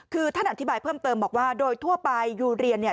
คือท่านอธิบายเพิ่มเติมบอกว่าโดยทั่วไปยูเรียนเนี่ย